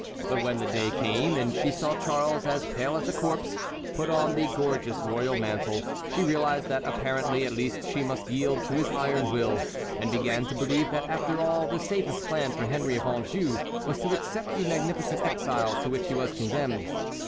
But when the day came, and she saw Charles, as pale as a corpse, put on the gorgeous royal mantle, she realized that apparently at least she must yield to his iron will, and began to believe that after all the safest plan for Henry of Anjou was to accept the magnificent exile to which he was condemned.